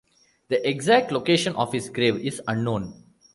The exact location of his grave is unknown.